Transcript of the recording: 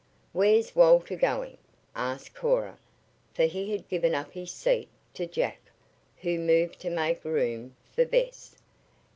"Where's Walter going?" asked Cora, for he had given up his seat to Jack, who moved to make room for Bess.